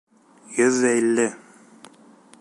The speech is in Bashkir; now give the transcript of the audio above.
Йөҙҙә илле.